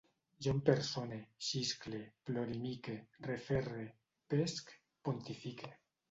Jo em persone, xiscle, plorimique, referre, pesc, pontifique